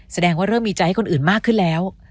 แสดงว่าเริ่มมีใจให้คนอื่นมากขึ้นแล้ว